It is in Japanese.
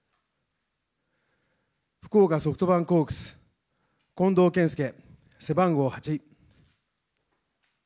福岡ソフトバンクホークス、近藤健介、背番号８。